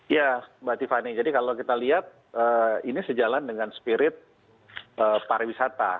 ya mbak tiffany jadi kalau kita lihat ini sejalan dengan spirit pariwisata